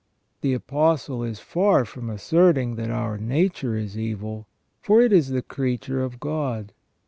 The Apostle is far from asserting that our nature is evil, for it is the creature of God.